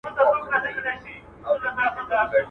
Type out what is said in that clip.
پدې اړه د علماوو تر منځ اختلاف سته.